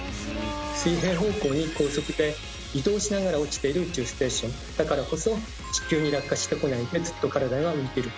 水平方向に高速で移動しながら落ちている宇宙ステーションだからこそ地球に落下してこないでずっと体が浮いてることができるわけです。